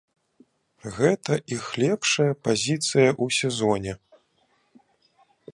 Гэта іх лепшая пазіцыя ў сезоне.